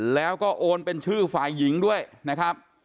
แล้วก็โอนเป็นชื่อฝ่ายหญิงด้วยนะครับ